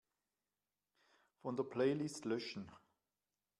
Von der Playlist löschen.